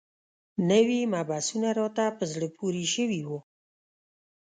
نوي مبحثونه راته په زړه پورې شوي وو.